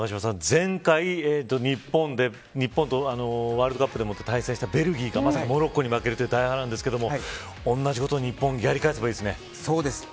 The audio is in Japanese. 前回、日本とワールドカップで対戦したベルギーがまさかモロッコに負けるという大波乱ですが同じことを日本やり返せばいいですね。